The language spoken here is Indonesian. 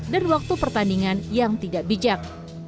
dan waktu pertandingan yang tidak bijak